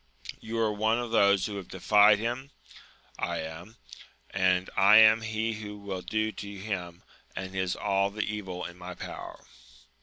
You are one of those who have defied him 1 — I am ; and I am he who will do to him and his all the evil in my power.